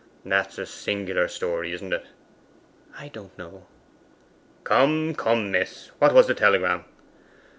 'That's a singular story, isn't it.' 'I don't know.' 'Come, come, miss! What was the telegram?